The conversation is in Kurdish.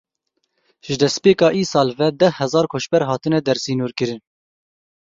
Ji destpêka îsal ve deh hezar koçber hatine dersînorkirin.